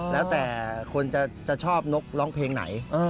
แล้วแต่คนจะชอบนกร้องเพลงไหน